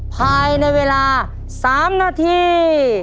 ภายในเวลา๓นาที